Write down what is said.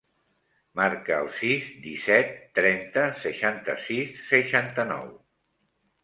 Marca el sis, disset, trenta, seixanta-sis, seixanta-nou.